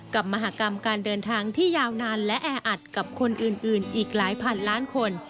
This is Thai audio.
มหากรรมการเดินทางที่ยาวนานและแออัดกับคนอื่นอีกหลายพันล้านคน